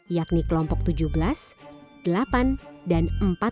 yakni kelompok tujuh belas delapan dan empat puluh lima